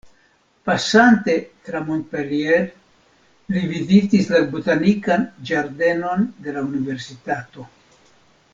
Pasante tra Montpellier, li vizitis la botanikan ĝardenon de la Universitato.